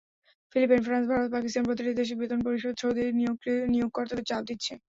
Philippine, France, Bharat, পাকিস্তান—প্রতিটি দেশই বেতন পরিশোধে সৌদি নিয়োগকর্তাদের চাপ দিচ্ছে।